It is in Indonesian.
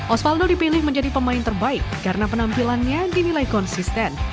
osvaldo dipilih menjadi pemain terbaik karena penampilannya dinilai konsisten